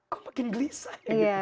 kok makin gelisah ya